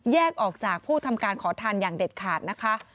ออกจากผู้ทำการขอทานอย่างเด็ดขาดนะคะ